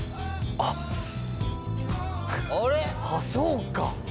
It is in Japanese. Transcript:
あっそうか！